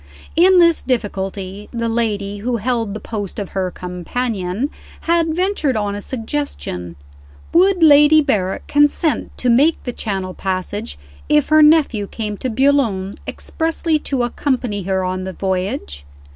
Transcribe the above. In this difficulty, the lady who held the post of her "companion" had ventured on a suggestion. Would Lady Berrick consent to make the Channel passage if her nephew came to Boulogne expressly to accompany her on the voyage?